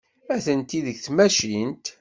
Atenti deg tmacint.